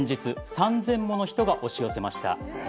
３，０００もの人が押し寄せました。